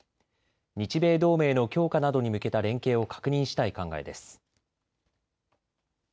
日米同盟の強化などに向けた連携を確認したい考えです。